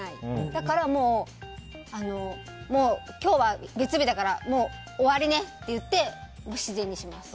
だからもう今日は月曜日だからもう終わりねって言って自然にします。